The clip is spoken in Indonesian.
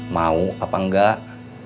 mau apa enggak